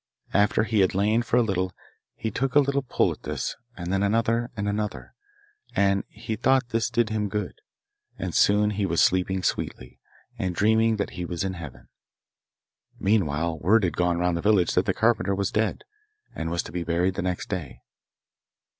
After he had lain for a little he took a little pull at this, and then another and another, and he thought this did him good, and soon he was sleeping sweetly, and dreaming that he was in heaven. Meanwhile word had gone round the village that the carpenter was dead, and was to be buried next day.